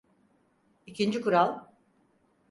İkinci kural.